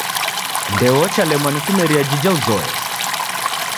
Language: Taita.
Ndeochalemwa ni kumeria jija uzoye.